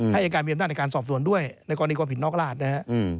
อายการมีอำนาจในการสอบสวนด้วยในกรณีความผิดนอกราชนะฮะ